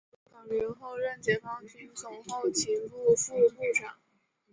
两年后任解放军总后勤部副部长。